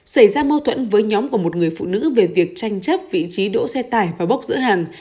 xảy ra mâu thuẫn với nhóm của một người phụ nữ về việc tranh chấp vị trí đỗ xe tải và bốc giữa hàng